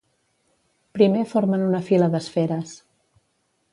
Primer formen una fila d'esferes.